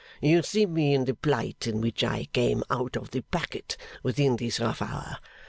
You see me in the plight in which I came out of the packet within this half hour.